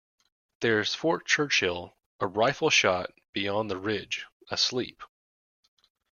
There's Fort Churchill, a rifle-shot beyond the ridge, asleep.